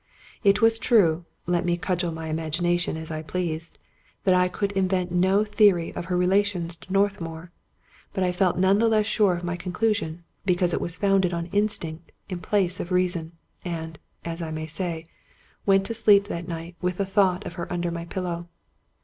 It was true, let me cudgel my imagination as I pleased, that I could invent no theory of her relations to Northmour; but I felt none the less sure of my conclusion because it was founded on in stinct in place of reason, and, as I may say, went to sleep that night with the thought of her under my pillow.